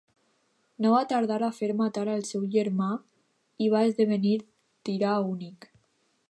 No va tardar a fer matar al seu germà i va esdevenir tirà únic.